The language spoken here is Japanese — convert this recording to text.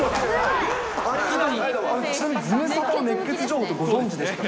ズムサタの熱ケツ情報ってご存じでしたか？